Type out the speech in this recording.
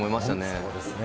そうですね。